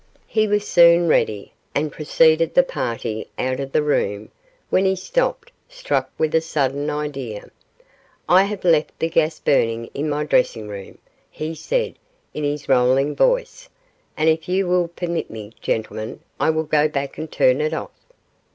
He was soon ready, and preceded the party out of the room, when he stopped, struck with a sudden idea. 'I have left the gas burning in my dressing room,' he said, in his rolling voice, 'and, if you will permit me, gentlemen, I will go back and turn it off.